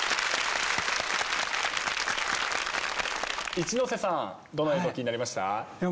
一ノ瀬さんどの映像気になりました？